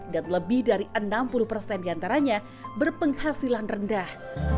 dan lebih dari enam puluh persen di antaranya berpenghasilan rendah